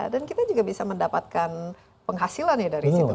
dan kita juga bisa mendapatkan penghasilan dari situ